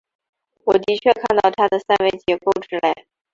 我的确看到它的三维结构之类。